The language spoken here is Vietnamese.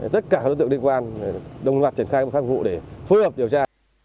tất cả các đối tượng liên quan đồng loạt triển khai pháp vụ để phối hợp điều tra